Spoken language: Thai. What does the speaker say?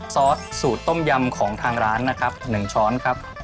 ซอสสูตรต้มยำของทางร้านนะครับ๑ช้อนครับ